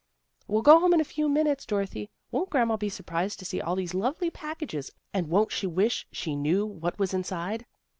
'' We'll go home in a very few minutes, Dorothy. Won't grandma be surprised to see all these lovely packages, and won't she wish she knew what was inside?